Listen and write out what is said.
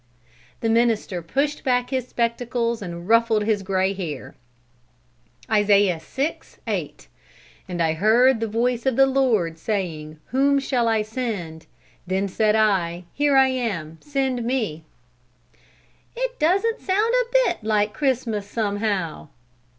The minister pushed back his spectacles and ruffled his gray hair. "Isaiah VI, 8: 'And I heard the voice of the Lord, saying whom shall I send?... Then said I, Here am I, send me!'" "It doesn't sound a bit like Christmas, somehow."